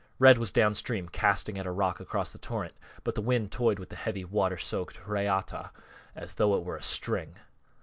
Red was downstream casting at a rock across the torrent but the wind toyed with the heavy, water soaked reata as though it were a string.